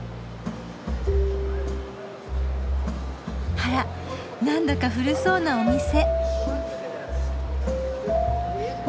あらなんだか古そうなお店。